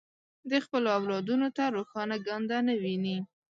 د خپلو اولادونو ته روښانه ګانده نه ویني.